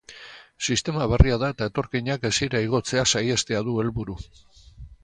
Sistema berria da, eta etorkinak hesira igotzea saihestea du helburu.